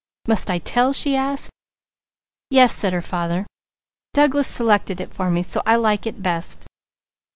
"Must I tell?" she asked. "Yes," said her father. "Douglas selected it for me, so I like it best."